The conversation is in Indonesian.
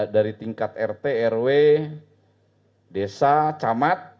dari tingkat rt rw desa camat